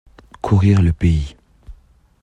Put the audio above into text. Courir le pays.